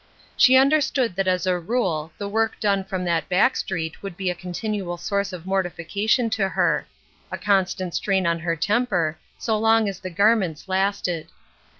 She under stood that as a rule, the work done from that back street would be a continual source of mortification to her — a constant strain on her temper, so long as the garments lasted.